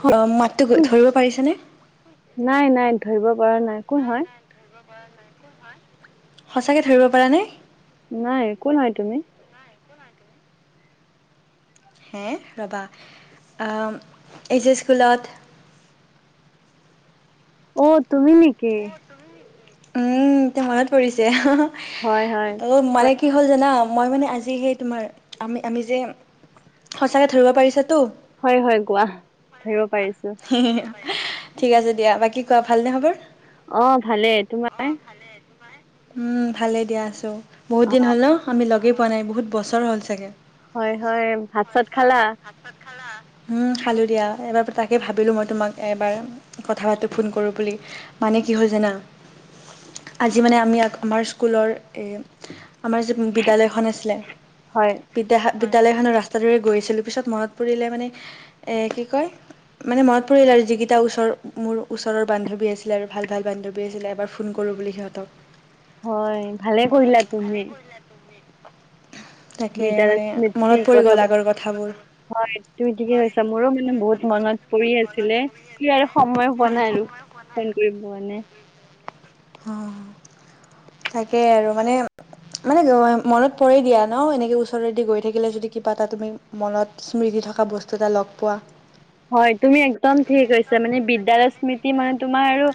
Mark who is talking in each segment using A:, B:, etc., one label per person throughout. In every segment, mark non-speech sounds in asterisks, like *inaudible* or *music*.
A: হয় মাততো ধৰিব পাৰিছ নে?
B: নাই-নাই, ধৰিব পৰা নাই। কোন হয়?
A: *unintelligible* সচাঁকে ধৰিব পাৰা নাই?
B: নাই। কোন হয় তুমি?
A: হে ৰ'বা, অহ! এই যে স্কুলত
B: অ! তুমি নেকি?
A: উম! এতিয়া মনত পৰিছে? *inaudible*
B: হয়-হয়।
A: তো মানে কি হ'ল জানা? মই মানে আজি সেই তোমাৰ, আমি-আমি যে সঁচাকে ধৰিব পাৰিছাতো?
B: হয়-হয়, কোৱা? ধৰিব পাৰিছোঁ।
A: *unintelligible* ঠিক আছে দিয়া। বাকী কোৱা ভাল নে খবৰ?
B: অঁ! ভালে। তোমাৰ?
A: উম! ভালেই দিয়া আছোঁ। বহুত
B: অ
A: দিন হ'ল ন আমি লগেই পোৱা নাই বহুত বছৰ হ'ল চাগে।
B: হয় হয় ভাত চাত খালা
A: হয়-হয়। ভাত-চাত খালা? উম! খালোঁ দিয়া। এবাৰ তাকে ভাবিলোঁ মই তোমাক এবাৰ কথা পাতো, ফোন কৰোঁ বুলি। মানে কি হ'ল জানা আজি মানে আমি আমাৰ স্কুলৰ আমাৰ যে বিদ্যালয়খন আছিলে
B: হয়
A: বিদ্যা বিদ্যালয়খনৰ ৰাস্তাটোৰে গৈ আছিলোঁ পিছত মনত পৰিলে মানে এ কি কয় মানে মনত পৰিল আৰু যিকেইটা ওচৰ মোৰ ওচৰৰ বান্ধৱী আছিলে আৰু ভাল-ভাল বান্ধৱী আছিলে এবাৰ ফোন কৰোঁ বুলি সিহঁতক।
B: হয়, ভালে কৰিলা তুমি।
A: তাকে
B: বিদ্যালয়ৰ
A: মানে
B: স্মৃতি
A: মনত পৰি
B: কথা
A: গ'ল আগৰ কথাবোৰ
B: ভাবি। হয়, তুমি ঠিকে কৈছা। মোৰো মানে বহুত মনত পৰি আছিলে। এতিয়া আৰু সময় হোৱা
A: হয়
B: নাই আৰু
A: সময় পোৱা নাই
B: ফোন কৰিব মানে।
A: অঁ! তাকেই আৰু মানে মানে মনত পৰে দিয়া ন এনেকে ওচৰৰেদি গৈ থাকিলে যদি কিবা এটা তুমি মনত স্মৃতি থকা বস্তু এটা লগ পোৱা।
B: হয়, তুমি একদম ঠিকে কৈছা। মানে বিদ্যালয় স্মৃতি মানে তোমাৰ আৰু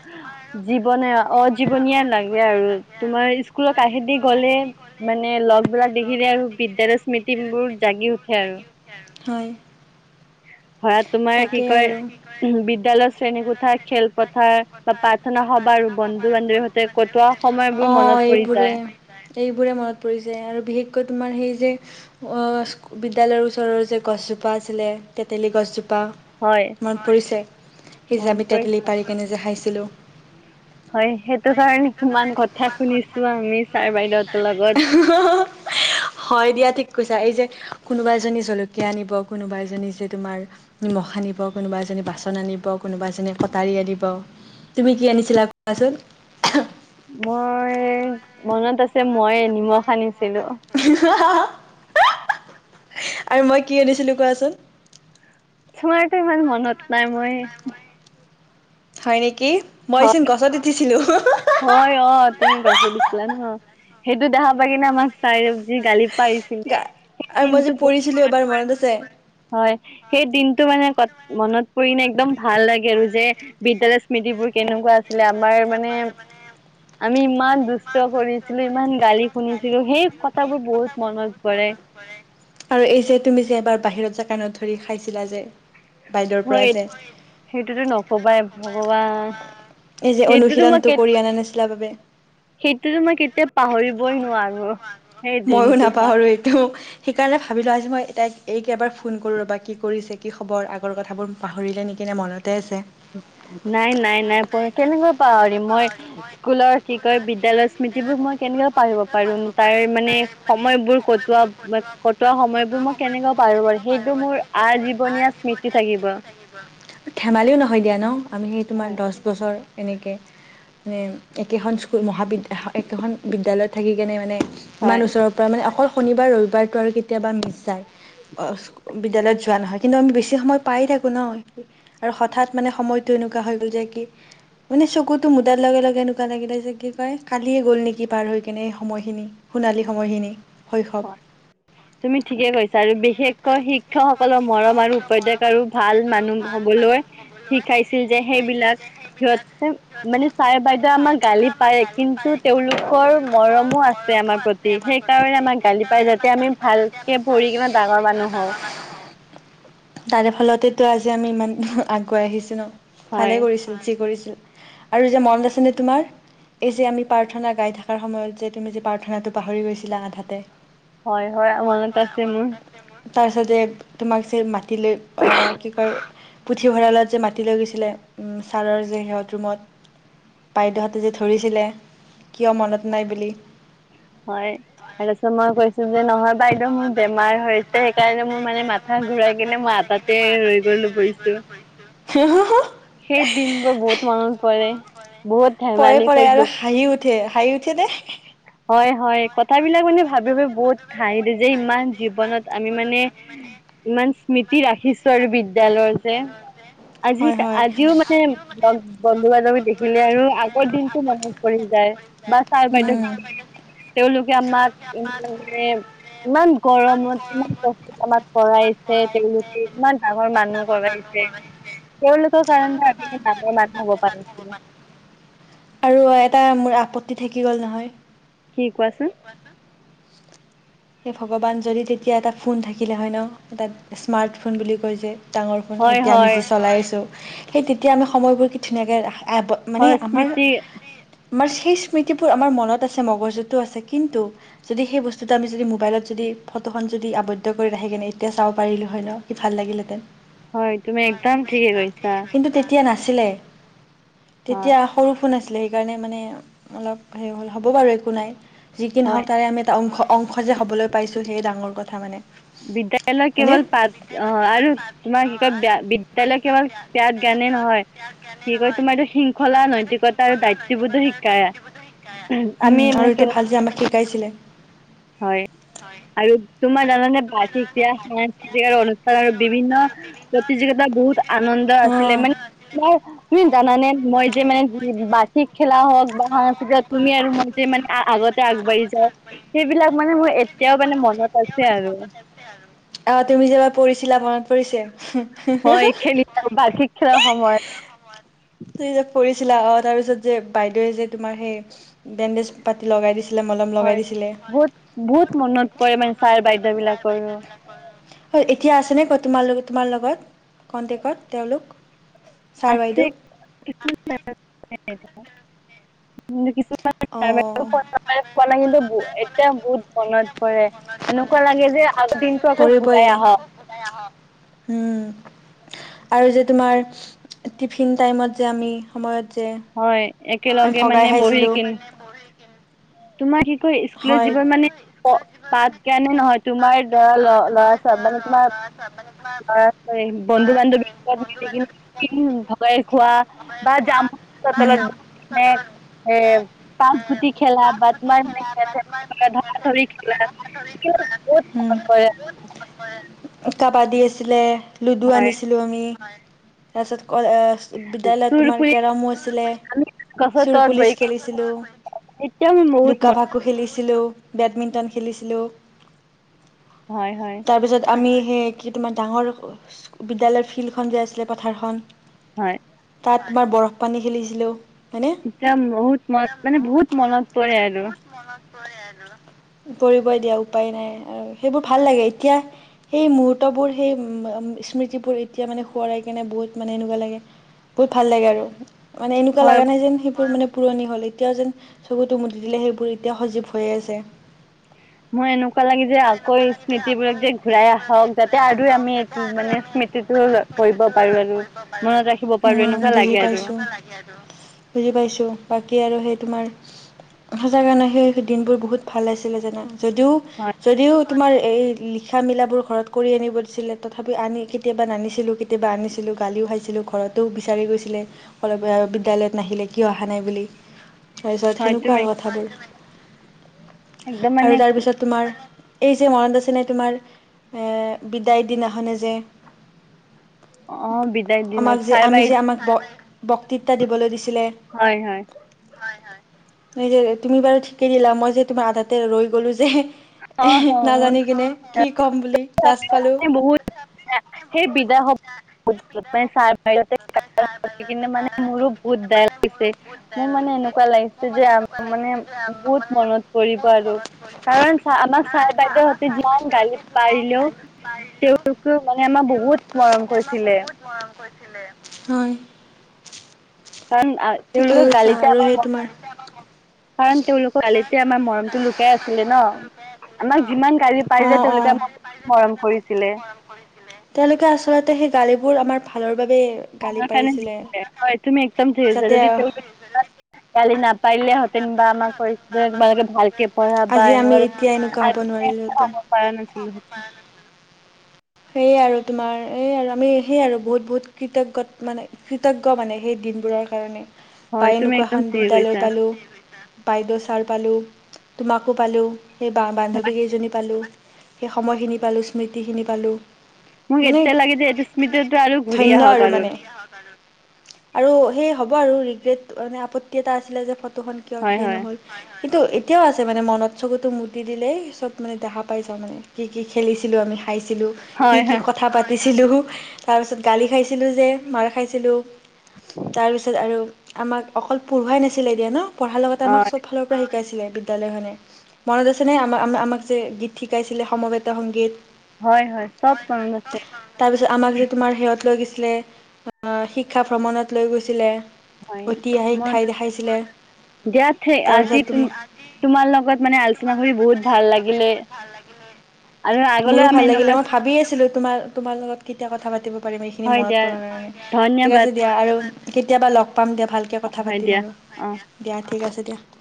B: জীৱনে অ জীৱনীয়া লাগে আৰু। তোমাৰ স্কুলৰ কাষেদি গ'লে মানে লগবিলাক দেখিলে আৰু বিদ্যালয় স্মৃতিবোৰ জাগি উঠে আৰু।
A: *unintelligible* হয়।
B: ভৰাত তোমাৰ কি কয় *unintelligible* বিদ্যালয়ৰ
A: উম,
B: শ্ৰেণী কোঠা, খেলপথাৰ বা প্ৰাৰ্থনা সবাহৰ হয় আৰু বন্ধু-বান্ধৱী তাতে কটোৱা সময়বোৰ মনত পৰি যায়।
A: এইবোৰে মনত পৰি যায় আৰু বিশেষকৈ তোমাৰ সেই যে অঁ! বিদ্যালয়ৰ ওচৰৰ যে গছজোপা আছিলে তেতেলী গছজোপা।
B: হয়
A: মনত পৰিছে, সি জে
B: মনত
A: আমি তেতেলি
B: পৰিছে
A: পাৰি কেনে যে খাইছিলোঁ।
B: হয় সেইটো কাৰণে কিমান কথা শুনিছো আমি ছাৰ বাইদেউহঁতৰ লগত।
A: *unintelligible* হয় দিয়া ঠিক কৈছা এই যে কোনোবা এজনী জলকীয়া আনিব কোনোবা এজনী যে তোমাৰ নিমখ আনিব কোনোবা এজনী বাচন আনিব কোনোবা এজনী কটাৰী আনিব। তুমি কি আনিছিলা কোৱাচোন।
B: মই মনত আছে মই নিমখ আনিছিলো।
A: *unintelligible* আৰু মই কি আনিছিলো কোৱাচোন।
B: তোমাৰতো ইমান মনত নাই মই
A: হয় নেকি মইচোন গছত উঠিছিলো *unintelligible*
B: হয় অ তুমি গছত উঠিছিলা ন সেইটো দেখা পাই কিনে আমাক চাইৰূপ যি গালি পাৰিছিলে
A: গা
B: সেই
A: আৰু মই
B: দিনটো
A: যে
B: বহুত
A: পৰিছিলো
B: মনত
A: এবাৰ
B: পৰে
A: আছে
B: হয়। সেই দিনটো মানে কত মনত পৰিলে একদম ভাল লাগে আৰু যে বিদ্যালয়ৰ স্মৃতিবোৰ কেনেকুৱা আছিলে আমাৰ মানে আমি ইমান দুষ্ট কৰিছিলো ইমান গালি শুনিছিলো সেই কথাবোৰ বহুত মনত পৰে।
A: আৰু এই যে তুমি যে এবাৰ বাহিৰত জে কাণত ধৰি খাইছিলা যে বাইদেউৰ পৰা
B: হয়
A: যে
B: সেইটোতো নকবাই ভগৱান।
A: এই যে
B: সেইটোতো মই
A: অনুশীলনটো
B: কেত
A: কৰি আনা নাছিলা বাবে।
B: সেইটোতো মই কেতিয়া পাহৰিবই নোৱাৰো। সেই
A: মইও
B: দিনটো মই
A: নাপাহাৰো এইটো। সেইকাৰণে ভাবিলোঁ আজি মই তাইক এইক এবাৰ ফোন কৰোঁ ৰ'বা কি কৰিছে কি খবৰ আগৰ কথাবোৰ পাহৰিলে নেকি নে মনত তে আছে।
B: নাই নাই নাই প কেনেকৈ পাহৰিম মই স্কুলৰ কি কয় বিদ্যালয়ৰ স্মৃতিবোৰ মই কেনেকে পঢ়িব পাৰো তাইৰ মানে সময়বোৰ কটোৱা কটোৱা সময়বোৰ মই কেনেকা পাৰো বাৰু সেইটো মোৰ আজীৱনীয়া স্মৃতি থাকিব।
A: ধেমালিও নহয় দিয়া ন আমি সেই তোমাৰ
B: হয়
A: দহ বছৰ এনেকে মানে একেখন স্কুল মহাবিদ্য একেখন বিদ্যালয়ত থাকি কেনে মানে ইমান
B: হয়
A: ওচৰৰ পৰা মানে অকল শনিবাৰ ৰবিবাৰটো আৰু কেতিয়াবা মিছ যায়, বিদ্যালয়ত যোৱা নহয়। কিন্তু আমি বেছি সময় পাই থাকো ন আৰু হঠাৎ মানে সময়টো এনেকুৱা হৈ গ'ল যে কি মানে চকুটো মুদাৰ লগে লগে এনেকুৱা লাগিলে যে কি কয় কালিয়ে গ'ল নেকি পাৰ হৈ কিনে এই সময়খিনি। সোণালী সময়খিনি
B: হয়
A: শৈশৱ।
B: তুমি ঠিকে কৈছা আৰু বিশেষকৈ শিক্ষক সকলৰ মৰম আৰু উপদেশ আৰু ভাল মানুহ হবলৈ শিকাইছিল যে সেইবিলাক সিহঁতে মানে ছাৰে বাইদেউ আমাক গালি পাৰে কিন্তু তেওঁলোকৰ মৰমো আছে। আমাৰ প্ৰতি সেইকাৰণে আমাক গালি পাই যাতে আমি ভালকে পৰহি কিনে ডাঙৰ মানুহ হওঁ।
A: তাৰে ফলতেটো আজি আমি ইমান আগুৱাই আহিছো ন।
B: হয়
A: ভালে কৰিছিল যি কৰিছিল। আৰু যে মনত আছে নে তোমাৰ এই যে আমি প্ৰাৰ্থনা গাই থকাৰ সময়ত যে তুমি যে পাৰ থনাটো পাহৰি গৈছিলা আধাতে।
B: হয় হয় মনত আছে মোৰ
A: তাৰপিছতে তোমাক যে মাতি লৈ অ কি কয় পুথিভঁৰালত যে মাতি লৈ গৈছিলে ছাৰৰ যে সিহঁত ৰুমত। বাইদেউহঁতে যে ধৰিছিলে, কিয় মনত নাই বুলি।
B: হয়। তাৰপাছত মই কৈছো যে নহয় বাইদেউ মোৰ বেমাৰ হৈছে সেইকাৰণে মোৰ মানে মাত তা ঘূৰাই কিনে মই আটাতে ৰৈ গ'লো পৰিছোঁ।
A: *unintelligible* পৰে,
B: বহুত মনত পৰে বহুত ধেমালি
A: পৰে
B: কৰিলো
A: আৰু হাঁহি উঠ ঠে, হাই উঠে নে?
B: হয়। হয়। কথাবিলাক মানে ভাবি-ভাবি বহুত ঠাই টোযে ইমান জীৱনত আমি মানে ইমান স্মৃতি ৰাখিছোঁ আৰু বিদ্যালয়ৰ যে। আজি,
A: আজিও মানে
B: আজিও মানে বন্ধু-বান্ধৱী দেখিলে আৰু আগৰ দিনটো মনত পৰি যায়। বা ছাৰ-বাইদেউক
A: ছাৰ-বাইদেউ
B: তেওঁলোকে আমাৰ *unintelligible* ইমান গৰমত, ইমান কষ্টত আমাক পঢ়াইছে। তেওঁলোকে ইমান ডাঙৰ মানুহ ভৰাইছে, তেওঁলোকৰ কাৰনে আমি ডাঙৰ মানুহ হ'বা *unintelligible*
A: আৰু এটা মোৰ আপত্তি থাকি গ'ল নহয়।
B: কি কোৱাচোন?
A: এ ভগৱান, যদি তেতিয়া এটা ফোন থাকিলে হয় ন', এটাত স্মাৰ্ট ফোন বুলি কৈ যে। ডাঙৰ ফোন,
B: হয়
A: এতিয়া আমি
B: হয়
A: যি চলাই আছোঁ- সেই তেতিয়া আমি সময়বোৰ কি ধুনীয়াকৈ আব মানে
B: হয়
A: আমাৰ
B: স্মৃতি
A: আমাৰ সেই স্মৃতিবোৰ আমাৰ মনত আছে, মগজুতো আছে। কিন্তু যদি সেই বস্তুটো আমি যদি মোবাইলত যদি ফটোখন যদি আৱদ্ধ কৰি ৰাখি কেনে এতিয়া চাব পাৰিলোঁ হয় ন', কি ভাল লাগিলহেতেন। হয়। তুমি একদম ঠিকে কিন্তু তেতিয়া নাছিলে
B: অ
A: তেতিয়া সৰু ফোন আছিলে সেইকাৰণে মানে অলপ হেৰি হ'ল হ'ব বাৰু একো নাই যি কি
B: হয়
A: নহওঁক তাৰে আমি টা অংশ অংশ যে হ'বলৈ পাইছোঁ সেয়ে ডাঙৰ কথা মানে।
B: বিদ্যালয়
A: হয়নে
B: কেৱল পাত অ', আৰু তোমাৰ কি কয় বিদ্যালয় কেৱল প্যাত গানে নহয়।
A: প্যাট জ্ঞানে
B: কি কয়
A: নহয়
B: তোমাৰ এইটো
A: কি
B: শৃংখলা
A: কয় তোমাৰ
B: নৈতিকতা আৰু
A: শৃংখলা
B: দায়িত্ববোধো
A: নৈতিকতা আৰু
B: শিকায়
A: দায়িত্ববোধ
B: আমি
A: উম,
B: মানে
A: আৰু এইটো
B: কেনে
A: ভাল যে আমাক শিকাইছিলে।
B: হয়। আৰু তোমাৰ জানানে? বাৰ্ষিকিয়া সাংস্কৃতিক আৰু অনুষ্ঠান আৰু বিভিন্ন প্ৰতিযোগিতাত বহুত আনন্দ
A: অ'।
B: আছিলে মানে তোমাৰ, তুমি জানানে? মই যে মানে বাৰ্ষিক খেলা হওঁক বা সাংস্কৃতিক তুমি আৰু মই তে মানে আ-আগতে আগবাঢ়ি যাও, সেইবিলাক মানে মোৰ এতিয়াও মানে মনত আছে আৰু।
A: অ', তুমি যে এবাৰ পৰিছিলা মনত পৰিছে?
B: হয় খেলি, বাৰ্ষিক খেলাৰ সময়ত।
A: তুমি যে পৰিছিলা। অ', তাৰ পিছত যে বাইদেৱে যে তোমাৰ সেই বেণ্ডেজ পাতি লগাই দিছিলে মলম। লগাই
B: হয়।
A: দিছিলে।
B: বহুত
A: হয়,
B: বহুত মনত পৰে মানে ছাৰ বাইদৈ বিলাকৰো।
A: হয়, এতিয়া আছে নে তোমাৰ লগত তোমাৰ লগত কনটেকত তেওঁলোক? ছাৰ-বাইদেউ।
B: *unintelligible*
A: অ'।
B: *unintelligible* খোৱা নাই কিন্তু এতিয়া বহুত মনত পৰে। এনেকুৱা লাগে যে আগৰ দিনটো আকৌ ঘূৰাই আহক।
A: যায় আহক, উম। আৰু যে তোমাৰ টিফিন টাইমত যে আমি সময়ত যে
B: হয়।
A: আমি
B: একেলগে
A: ভগাই
B: মানে বহি
A: খাইছিলোঁ।
B: কিন তোমাৰ কি কয় ইস্কুলৰ
A: তোমাৰ
B: জীৱন মানে পাঠ জ্ঞানো নহয় তোমাৰ দৰা ল' ল'ৰা-ছোৱা মানে তোমাৰ ল'ৰা *unintelligible* বন্ধু-বান্ধৱী *unintelligible* ভগাই খোৱা বা জামু গছৰ
A: হুম।
B: তলত বহি মানে এ পাঁচ গুটি খেলা বা তোমাৰ খেল ধৰা ধৰি খেলা। এতিয়া ও বহুত
A: হুম।
B: মনত পৰে।
A: কাবাডী আছিলে লুডু
B: হয়
A: আনিছিলোঁ। লো আমি তাৰপিছত কয় অহ বিদ্যালয়ত
B: চুৰ
A: তোমাৰ
B: পুৰি
A: কেৰামো আছিলে
B: আমি গছৰ
A: চোৰ
B: তলত বহি
A: পুলিচ খেলিছিলোঁ।
B: এতিয়াও বহুত মন
A: কুকু খেলিছিলোঁ বেডমিণ্টন খেলিছিলোঁ।
B: হয় হয়।
A: তাৰপিছত আমি সেই কি তোমাৰ ডাঙৰ বিদ্যালয়ৰ ফিল্ডখন যে আছিলে পাথাৰখন।
B: হয়।
A: তাত তোমাৰ বৰফ পানী খেলিছিলোঁ। হয়নে
B: এতিয়া বহুত মনত মানে বহুত মনত পৰে আৰু।
A: পৰিবই দিয়া উপায় নাই আৰু সেইবোৰ ভাল লাগে এতিয়া সেই মহূৰ্তবোৰ সেই স্মৃতিবোৰ এতিয়া মানে সোঁৱৰাই কেনে বহুত মানে এনেকুৱা লাগে বহুত ভাল লাগে আৰু মানে এনেকুৱা
B: হয়
A: লগা নাই যেন সেইবোৰ মানে পুৰণি হ'ল এতিয়াও যেন চকুটো মুজি দিলে সেইবোৰ এতিয়া সজীৱ হৈয়ে আছে।
B: মোৰ এনেকুৱা লাগে যে
A: মই
B: আকৌ
A: এনেকুৱা লাগি যায় আকৌ
B: স্মৃতিবোৰক যে ঘূৰাই
A: স্মৃতিবোৰত
B: আহক
A: যেই
B: যাতে
A: ঘূৰাই
B: আৰু
A: আহক
B: আমি
A: যাতে
B: এইটো
A: আৰু
B: মানে
A: আমি
B: স্মৃতিটো কৰিব পাৰো আৰু মনত
A: মানে
B: ৰাখিব পাৰো
A: হুম
B: এনেকুৱা
A: বুজি
B: লাগে আৰু
A: পাইছোঁ। বুজি পাইছো বাকী আৰু সেই তোমাৰ সঁচা কাৰণে সেই দিনবোৰ বহুত ভাল আছিলে যানা যদিও
B: হয়
A: যদিও তোমাৰ এই লিখা মিলাবোৰ ঘৰত কৰি আনিব দিছিলে তথাপি আনি কেতিয়াবা নানিছিলোঁ কেতিয়াবা আনিছিলোঁ গালিও খাইছিলোঁ ঘৰতো বিচাৰি গৈছিলে। ঘৰৰ পৰা বিদ্যালয়ত নাহিলে কিয় আহা নাই বুলি। তাৰপিছত
B: হয়
A: সেনেকুৱা
B: তুমি
A: আৰু কথাবোৰ,
B: একদম মানে
A: আৰু তাৰপিছত তোমাৰ এই যে মনত আছেনে তোমাৰ এ বিদায়ৰ দিনাখনে যে
B: অ বিদায়
A: আমাক
B: দিনত
A: যে
B: চাৰ
A: আমি
B: বাইদ
A: যে আমাক ব-বক্তৃত্বা দিবলৈ দিছিলে।
B: হয় হয়।
A: তুমি বাৰু ঠিকে দিলা মই যে তোমাৰ আধাতে ৰৈ গলোঁ যে।
B: অ হ
A: নাজানি কিনে কি ক'ম বুলি। লাজ পালোঁ
B: *unintelligible* বহুত *unintelligible* সেই বিদায় সভা *unintelligible* কিনে মানে মোৰো বহুত বেয়া লাগিছে *unintelligible* মোৰ মানে এনেকুৱা লাগিছে যে আম মানে বহুত মনত পৰিব আৰু কাৰণ চা আমাক চাই বাইদেউহতে যিমান গালি পা পাৰিলেও তেওঁলোকো মানে আমাৰ বহুত মৰম কৰিছিলে।
A: মৰম কৰিছিলে হয়।
B: কাৰণ
A: ঠিকে
B: তেওঁলোকৰ
A: কৈছা
B: গালিতে
A: আৰু
B: আমাৰ
A: সেই তোমাৰ
B: কাৰণ, তেওঁলোকৰ গালি তে আমাৰ মৰমটো লুকাই আছিলে ন'। আমাক যিমান গি পাই যে
A: অ',
B: তেওঁলোকে
A: অ'।
B: আমাক বহুত মৰম কৰিছিলে।
A: তেওঁলোকে আচলতে সেই গালিবোৰ আমাৰ ভালৰ বাবে গালি
B: হয় কাৰনে
A: পাৰিছিলে।
B: দিছিলে, হয় তুমি একদম থছ
A: যাতে
B: যদি তেওঁলোক গালে নাপ পাৰিলেহেঁতেন বা আমাক কৰি তোমালোকে ভালকে পঢ়া বা
A: আজি আমি এতিয়া হ'ব
B: এনেকুৱা
A: নোৱাৰিলোহেঁতেন।
B: *unintelligible* পাৰা নাছিলো সতে।
A: সেয়াই আৰু তোমাৰ এই আৰু আমি সেয়ে আৰু বহুত বহুত কৃতজ্ঞত মানে কৃতজ্ঞ মানে সেই দিনবোৰৰ কাৰণে বা
B: হয় তুমি
A: এনেকুৱা
B: একদম
A: এখন
B: ঠিকে
A: বিদ্যালয়
B: কৈছা
A: পালোঁ বাইদেউ ছাৰ পালোঁ তোমাকো পালোঁ সেই বান্ধৱীকেইজনী পালোঁ সেই সময়খিনি পালোঁ স্মৃতিখিনি পালোঁ
B: মোক
A: মানে
B: এতিয়া লাগে যে এইটো স্মৃতিতো আৰু ঘূৰি
A: ধন্য
B: আহক আৰু
A: *inaudible* আৰু আৰু সেই হ'ব আৰু ৰিগ্ৰেট মানে আপত্তি এটা আছিলে যে ফটোখন কিয়
B: হয়
A: সেই
B: হয়
A: নহ'ল কিন্তু এতিয়াও আছে মানে মনত চকুতো মটি দিলেই চব মানে দেখা পাই যাওঁ মানে কি কি খেলিছিলো আমি খাইছিলো কি
B: হয়
A: কি
B: হয়
A: কথা পাতিছিলোঁ তাৰপিছত গালি খাইছিলোঁ যে মাৰ খাইছিলোঁ তাৰ পিছত আৰু আমাক অকল পঢ়ুৱাই নাছিলে এ দিয়া ন পঢ়াৰ লগতে
B: অ
A: আমাক চব ফালৰ শিকাইছিলে বিদ্যালয়খনে মনত আছেনে আম আমাক যে গীত শিকাইছিলে সমবেত সংগীত
B: হয় হয় চব মনত আছে
A: তাৰপিছত আমাক যে তোমাৰ সেহত লৈ গৈছিলে শিক্ষা ভ্ৰমণত লৈ গৈছিলে
B: হয়
A: ঐতিহাসিক
B: মনত
A: ঠাই
B: আছে
A: দেখাইছিলে
B: *unintelligible* আজি
A: তাৰপিছত
B: তুম
A: তোমাৰ
B: তোমাৰ লগত মানে আলোচনা কৰি বহুত ভাল লাগিলে
A: ভাল লাগিলে
B: আৰু আগলৈ
A: মোৰো
B: আমি এনেকুৱা
A: মই ভাবি আছিলোঁ তোমাৰ তোমাৰ লগত কেতিয়া কথা পাতিব *unintelligible* এইখিনি
B: হয়
A: মনত
B: দিয়া
A: পৰা নাই ঠিক
B: ধন্যবাদ
A: আছে দিয়া আৰু কেতিয়াবা লগ পাম দিয়া ভাল কথা
B: হয়
A: পাতিম
B: দিয়া
A: আৰু
B: অ
A: দিয়া ঠিক আছে দিয়া